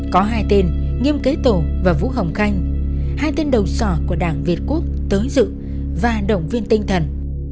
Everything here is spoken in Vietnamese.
có hai tên nghiêm kế tổ và vũ hồng khanh hai tên đầu sỏ của đảng việt quốc tới dự và động viên tinh thần